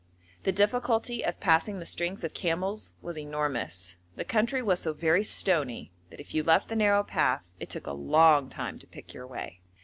The difficulty of passing the strings of camels was enormous. The country was so very stony that if you left the narrow path it took a long time to pick your way.